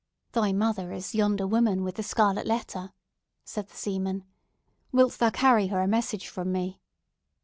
"Thy mother is yonder woman with the scarlet letter," said the seaman, "Wilt thou carry her a message from me?"